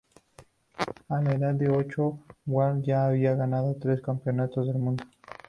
A la edad de ocho, Howard ya había ganado tres campeonatos del mundo.